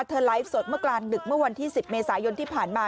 ไลฟ์สดเมื่อกลางดึกเมื่อวันที่๑๐เมษายนที่ผ่านมา